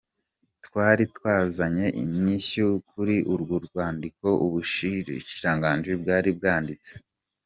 Twari twazanye inyishu kuri urwo rwandiko ubushikiranganji bwari bwanditse.